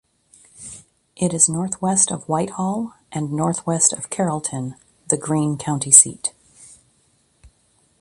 It is northwest of White Hall and northwest of Carrollton, the Greene County seat.